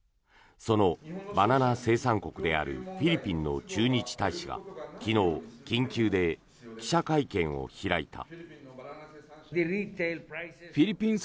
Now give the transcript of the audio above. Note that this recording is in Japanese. そのバナナ生産国であるフィリピンの駐日大使が昨日緊急で記者会見を開いた。